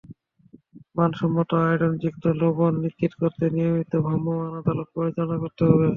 মানসম্পন্ন আয়োডিনযুক্ত লবণ নিশ্চিত করতে নিয়মিত ভ্রাম্যমাণ আদালত পরিচালনা করতে হবে।